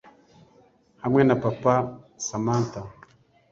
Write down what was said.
hamwe na papa samantha